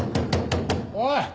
おい！